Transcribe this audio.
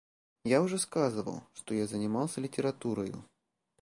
Я уже сказывал, что я занимался литературою.